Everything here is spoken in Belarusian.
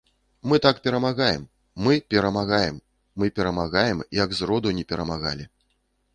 Мы так перамагаем, мы перамагаем, мы перамагаем, як зроду не перамагалі.